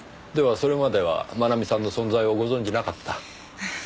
ではそれまでは真奈美さんの存在をご存じなかった？